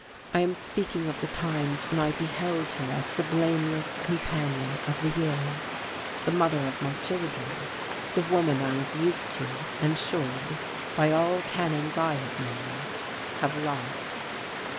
I am speaking of the times when I beheld her as the blameless companion of the years, the mother of my children, the woman I was used to and should by all canons I had known have loved....